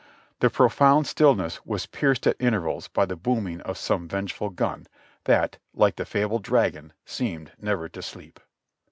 The profound stillness was pierced at intervals by the booming of some venge ful gun that, like the fabled dragon, seemed never to sleep.